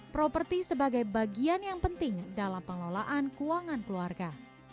properti sebagai bagian yang penting dalam pengelolaan keuangan keluarga